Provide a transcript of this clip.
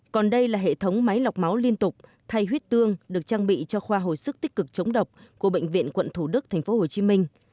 còn đây là hệ thống máy lọc máu liên tục thay huyết tương được trang bị cho khoa hồi sức tích cực chống độc của bệnh viện quận thủ đức tp hcm